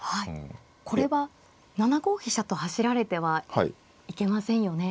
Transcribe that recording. これは７五飛車と走られてはいけませんよね。